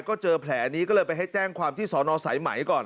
ก็เจอแผลนี้ก็เลยไปให้แจ้งความที่สอนอสายไหมก่อน